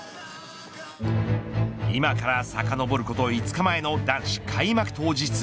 今からさかのぼること５日前の男子開幕当日。